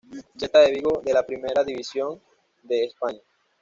Celta de Vigo de la Primera División de España.